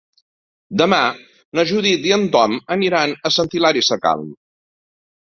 Demà na Judit i en Tom aniran a Sant Hilari Sacalm.